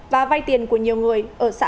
và vay tiền của nhiều người ở xã